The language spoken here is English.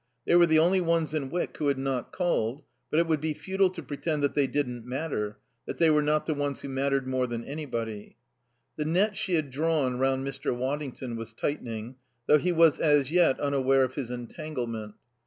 They were the only ones in Wyck who had not called; but it would be futile to pretend that they didn't matter, that they were not the ones who mattered more than anybody. The net she had drawn round Mr. Waddington was tightening, though he was as yet unaware of his entanglement.